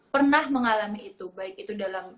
pernah mengalami itu baik itu dalam